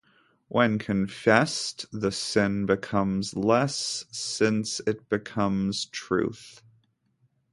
When confessed, the sin becomes less, since it becomes truth.